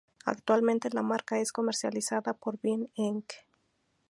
Actualmente la marca es comercializada por "Beam Inc.